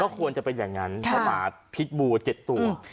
ควรจะเป็นอย่างนั้นเพราะหมาพิษบู๗ตัว